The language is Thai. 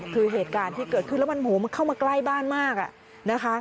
คือเหตุการณ์ที่เกิดขึ้นแล้วมันเข้ามาใกล้บ้านมากนะคะ